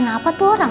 kenapa tuh orang